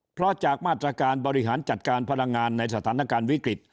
เพราะจากมาตรการบริหารจัดการพลังงานในสถานการณ์วิกฤต